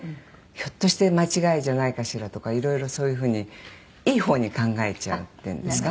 「ひょっとして間違いじゃないかしらとか色々そういうふうにいい方に考えちゃうっていうんですか」